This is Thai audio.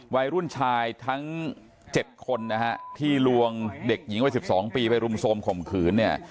วัยรุ่นชายทั้ง๗คนนะฮะที่ลวงเด็กหญิงวัย๑๒ปีไปรุมโทรมข่มขืนเนี่ย